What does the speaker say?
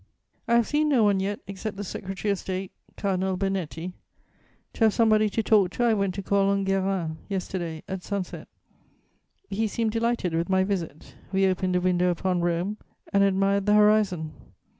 "I have seen no one yet, except the Secretary of State, Cardinal Bernetti. To have somebody to talk to, I went to call on Guérin yesterday, at sunset: he seemed delighted with my visit. We opened a window upon Rome and admired the horizon.